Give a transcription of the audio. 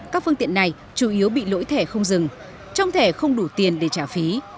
các phương tiện này chủ yếu bị lỗi thẻ không dừng trong thẻ không đủ tiền để trả phí